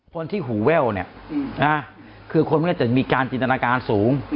คนที่หูแว่วเนี่ยนะคือคนมันก็จะมีการจินตนาการสูง